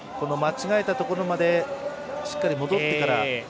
間違えたところまでしっかり戻ってから。